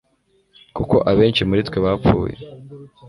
kuko abenshi muri twe bapfuye